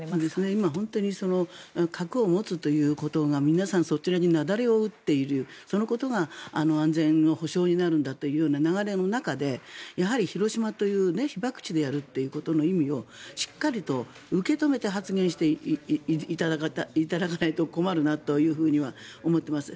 今、本当に核を持つということが皆さん、そちらに雪崩を打っているそのことが安全保障になるんだというような流れの中でやはり広島という被爆地でやることの意味をしっかりと受け止めて発言していただかないと困るなというふうには思っています。